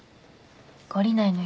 懲りないのよ